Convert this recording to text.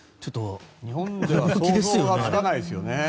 日本では想像つかないですよね。